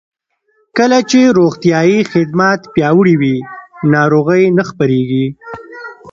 کله چې روغتیايي خدمات پیاوړي وي، ناروغۍ نه خپرېږي.